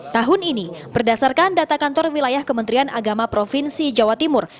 tahun ini berdasarkan data kantor wilayah kementerian agama provinsi jawa timur